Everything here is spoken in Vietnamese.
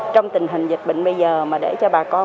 trong tình hình dịch bệnh bây giờ mà để cho bà con